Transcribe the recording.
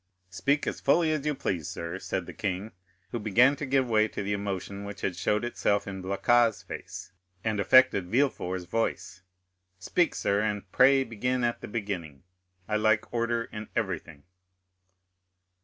"Speak as fully as you please, sir," said the king, who began to give way to the emotion which had showed itself in Blacas's face and affected Villefort's voice. "Speak, sir, and pray begin at the beginning; I like order in everything."